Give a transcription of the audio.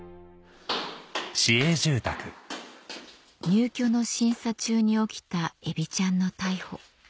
入居の審査中に起きたエビちゃんの逮捕